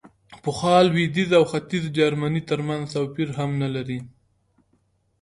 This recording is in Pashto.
پخوا لوېدیځ او ختیځ جرمني ترمنځ توپیر هم نه لري.